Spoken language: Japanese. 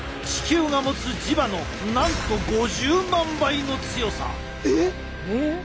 地球が持つ磁場のなんと５０万倍の強さ。